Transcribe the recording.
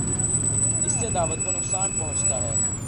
اس سے دعوت کو نقصان پہنچتا ہے۔